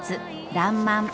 「らんまん」